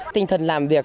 tinh thần làm việc